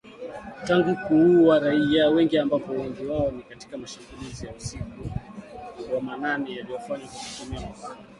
Tangu kuua raia wengi ambapo wengi wao ni katika mashambulizi ya usiku wa manane yaliyofanywa kwa kutumia mapanga